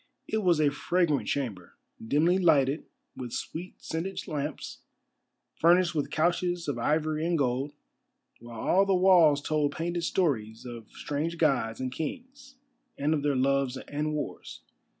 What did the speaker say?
It was a fragrant chamber, dimly lighted with sweet scented lamps, furnished with couches of ivory and gold, while all the walls told painted stories of strange gods and kings, and of their loves and wars.